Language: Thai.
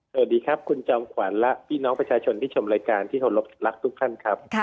สวัสดีครับคุณจอมขวัญและพี่น้องประชาชนที่ชมรายการที่เคารพรักทุกท่านครับ